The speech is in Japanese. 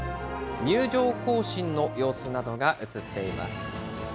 入場行進の様子などが映っています。